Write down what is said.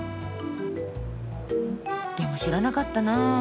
でも知らなかったなあ。